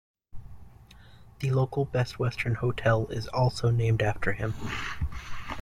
The local Best Western hotel is also named after him.